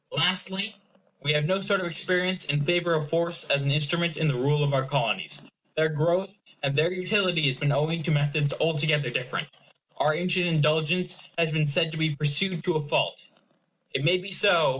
Lastly, we have no sort of experience in favor of force as an instrument in the rule of our Colonies. Their growth and their utility has been owing to methods altogether different. Our ancient indulgence has been said to be pursued to a fault. It may be so.